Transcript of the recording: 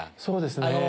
そうですね。